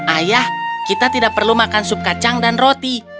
ayah kita tidak perlu makan sup kacang dan roti